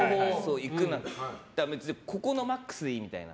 だから、別にここのマックスでいいみたいな。